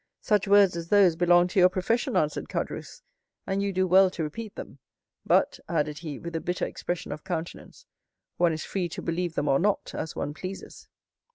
"Such words as those belong to your profession," answered Caderousse, "and you do well to repeat them; but," added he, with a bitter expression of countenance, "one is free to believe them or not, as one pleases."